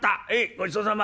ごちそうさま。